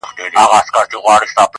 o هر څوک پر خپله ټيکۍ اور اړوي٫